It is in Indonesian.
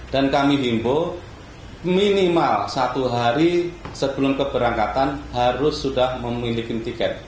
dan kami himbau minimal satu hari sebelum keberangkatan harus sudah memiliki tiket